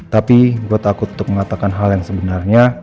tapi gue takut untuk mengatakan hal yang sebenarnya